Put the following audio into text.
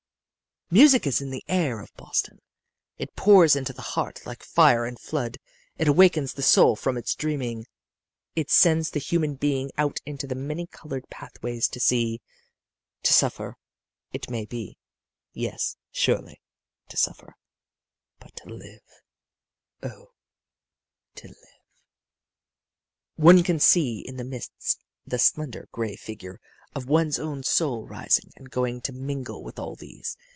"Music is in the air of Boston. It pours into the heart like fire and flood it awakens the soul from its dreaming it sends the human being out into the many colored pathways to see, to suffer, it may be yes, surely to suffer but to live, oh, to live! "One can see in the mists the slender, gray figure of one's own soul rising and going to mingle with all these.